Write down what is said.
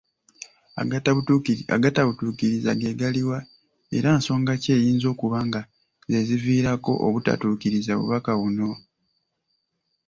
Agatabutuukiriza geegaliwa era nsonga ki eziyinza okuba nga ze ziviirako obutatuukiriza bubaka buno?.